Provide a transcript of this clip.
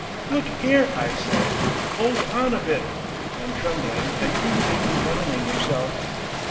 "Look 'ere! I say! 'Old on a bit!" and trembling and eagerly unbuttoning himself.